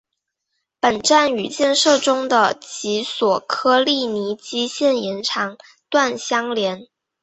本站与建设中的及索科利尼基线延长段相连。